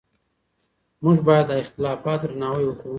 موږ باید د اختلافاتو درناوی وکړو.